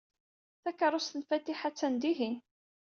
Takeṛṛust n Fatiḥa attan dihin.